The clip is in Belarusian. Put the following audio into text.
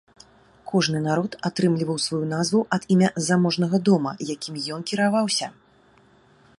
Кожны народ атрымліваў сваю назву ад імя заможнага дома, якім ен кіраваўся.